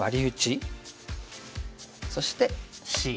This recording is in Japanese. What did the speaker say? そしてＣ。